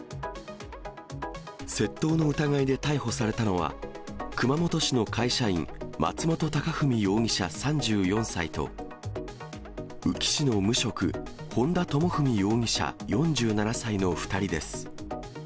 窃盗の疑いで逮捕されたのは、熊本市の会社員、松本貴史容疑者３４歳と、宇城市の無職、本田友史容疑者４７歳の２人です。